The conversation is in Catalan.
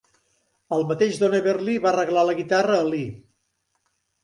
El mateix Don Everly va regalar la guitarra a Lee.